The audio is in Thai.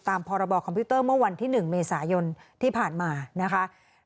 พรบคอมพิวเตอร์เมื่อวันที่๑เมษายนที่ผ่านมานะคะ